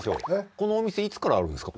このお店いつからあるんですか？